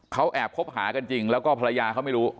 เขาแอบคบหากันจริงแล้วก็ภรรยาเขาไม่รู้